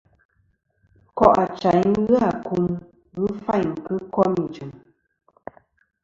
Nkò' achayn ghɨ akum ghɨ fayn kɨ kom ijɨm.